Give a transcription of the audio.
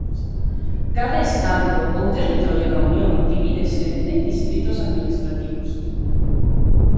Cada estado ou territorio da unión divídese en distritos administrativos.